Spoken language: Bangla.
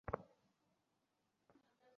ওকে যেতে দিও না।